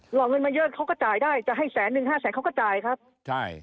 หลอกเงินมาเยอะเขาก็จ่ายได้จะให้แสนหนึ่งห้าแสนเขาก็จ่ายครับใช่